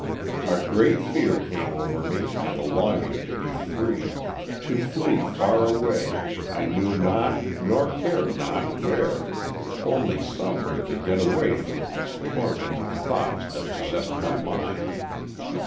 A great fear came over me and a longing to be free — to flee far away, I knew not nor cared not where, only somewhere to get away from those tormenting thoughts that possessed my mind.